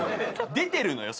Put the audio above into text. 出てるのよ